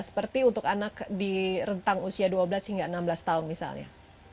seperti untuk anak di rentang usia dua belas hingga enam belas tahun misalnya